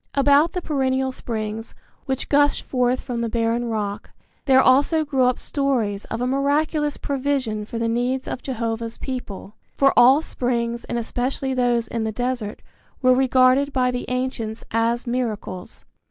About the perennial springs, which gush forth from the barren rock, there also grew up stories of a miraculous provision for the needs of Jehovah's people; for all springs and especially those in the desert were regarded by the ancients as miracles.